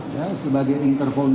ya sebagai interpol nihita